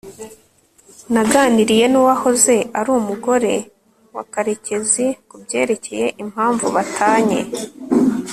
naganiriye nuwahoze ari umugore wa karekezi kubyerekeye impamvu batanye